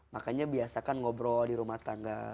makanya biasakan ngobrol di rumah tangga